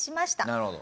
なるほど。